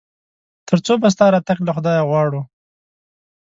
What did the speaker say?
تر څو به ستا راتګ له خدايه غواړو ؟